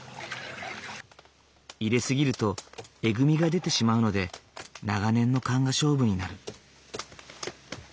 入れ過ぎるとえぐみが出てしまうので長年の勘が勝負になる。